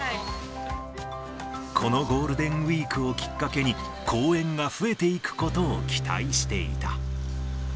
このゴールデンウィークをきっかけに、公演が増えていくことを期待していた。